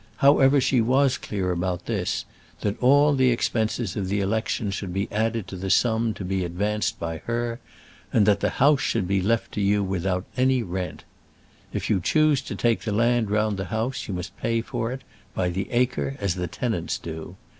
However, she was clear about this, that all the expenses of the election should be added to the sum to be advanced by her, and that the house should be left to you without any rent. If you choose to take the land round the house you must pay for it, by the acre, as the tenants do.